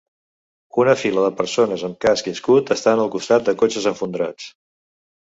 Una fila de persones amb casc i escut estan al costat de cotxes esfondrats.